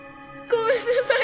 ごめんなさい！